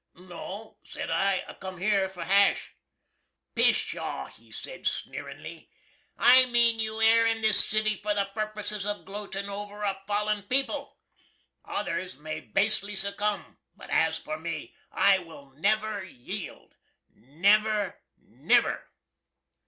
"No," said I, "I cum here for hash!" "Pish haw!" he sed sneerinly, "I mean you air in this city for the purposes of gloating over a fallen people. Others may basely succumb, but as for me, I will never yield NEVER, NEVER!"